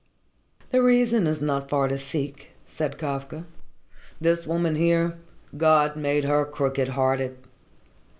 "The reason is not far to seek," said Kafka. "This woman here God made her crooked hearted!